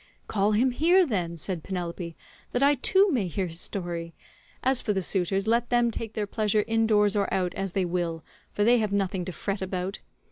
"Call him here, then," said Penelope, "that I too may hear his story. As for the suitors, let them take their pleasure indoors or out as they will, for they have nothing to fret about.